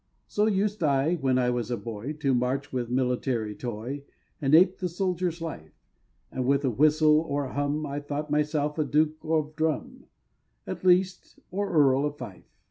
So used I, when I was a boy, To march with military toy, And ape the soldier's life; And with a whistle or a hum, I thought myself a Duke of Drum At least, or Earl of Fife.